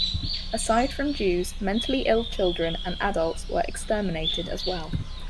Aside from Jews, mentally ill children and adults were exterminated as well.